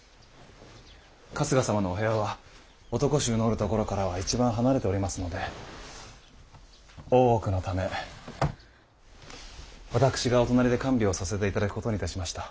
春日様のお部屋は男衆のおるところからは一番離れておりますので大奥のため私がお隣で看病させて頂くことにいたしました。